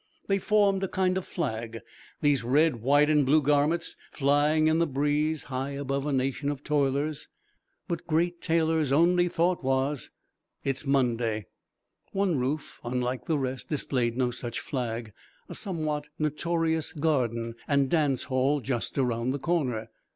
They formed a kind of flag these red, white, and blue garments flying in the breeze high above a nation of toilers. But Great Taylor's only thought was, "It's Monday." One roof, unlike the rest, displayed no such flag a somewhat notorious "garden" and dance hall just around the corner.